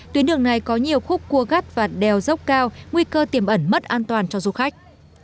tuyến đường này có nhiều khúc cua gắt và đèo dốc cao nguy cơ tiềm ẩn mất an toàn cho du khách